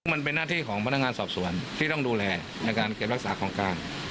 มันเป็นหน้าที่ของพนักงานสอบสวนที่ต้องดูแลในการเก็บรักษาของกลาง